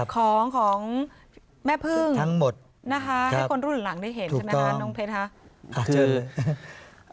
ของแม่พึ่งให้คนรุ่นหลังได้เห็นใช่ไหมครับน้องเพชรครับ